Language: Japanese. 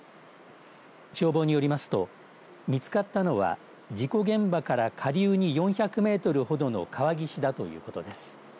消防によりますと見つかったのは事故現場から下流に４００メートルほどの川岸だということです。